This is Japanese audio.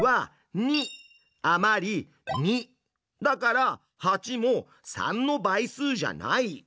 だから８も３の倍数じゃない。